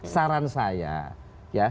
saran saya ya